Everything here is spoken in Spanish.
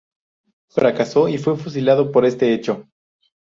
Fracasó y fue fusilado por este hecho.